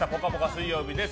水曜日です。